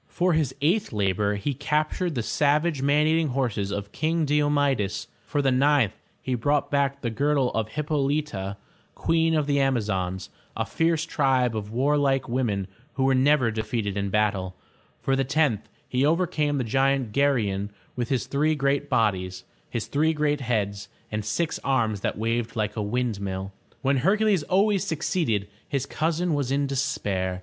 For his eighth labor he captured the savage man eat ing horses of King Di o me'des; for the ninth he brought back the girdle of Hip pol'y ta, Queen of the Am'a zons, a fierce tribe of war like women who were never defeated in battle; for the tenth he overcame the giant Ger'y on with his three great bodies, his three great heads, and six arms that waved like a windmill. When Hercules always succeeded, his cousin was in despair.